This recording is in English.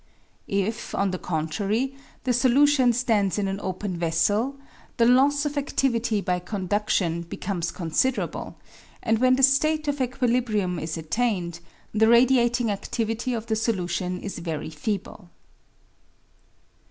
If, on the contrary, the solution stands in an open vessel, the loss of adivity by condudion becomes considerable, and when the state of equilibrium is attained, the radiating adivity of the solution is very feeble.